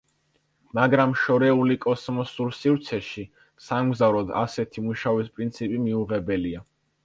მაგრამ შორეული კოსმოსურ სივრცეში სამგზავროდ ასეთი მუშაობის პრინციპი მიუღებელია.